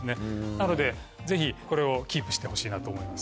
なのでぜひこれをキープしてほしいなと思います。